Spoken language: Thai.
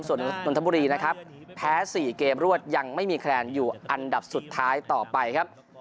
ส่วนนนทบุรีนะครับแพ้๔เกมรวดยังไม่มีคะแนนอยู่อันดับสุดท้ายต่อไปครับ